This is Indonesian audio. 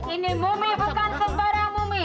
ini bukan sembarang mumi